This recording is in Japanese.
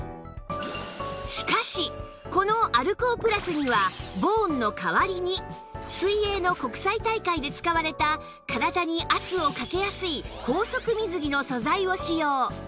しかしこのアルコープラスにはボーンの代わりに水泳の国際大会で使われた体に圧をかけやすい高速水着の素材を使用